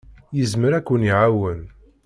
Yezmer ad ken-iɛawen.